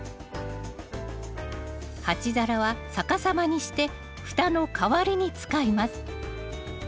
鉢皿は逆さまにして蓋の代わりに使います。